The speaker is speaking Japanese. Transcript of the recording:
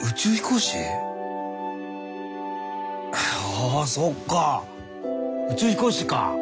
あそっか宇宙飛行士か。